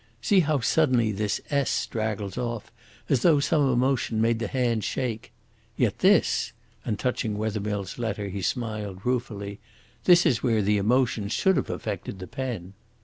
See how suddenly this 's' straggles off, as though some emotion made the hand shake. Yet this," and touching Wethermill's letter he smiled ruefully, "this is where the emotion should have affected the pen."